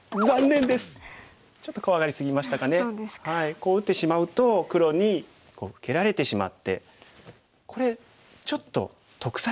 こう打ってしまうと黒に受けられてしまってこれちょっと得されてるんですね。